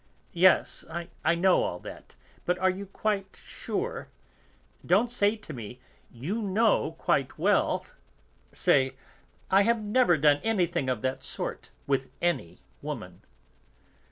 "Yes, I know all that; but are you quite sure? Don't say to me, 'You know quite well'; say, 'I have never done anything of that sort with any woman.'"